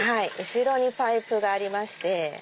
後ろにパイプがありまして。